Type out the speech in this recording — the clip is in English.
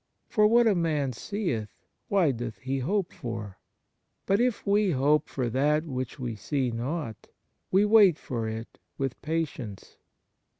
For what a man seeth, why doth he hope for ? But if we hope for that which we see not, we wait for it with patience."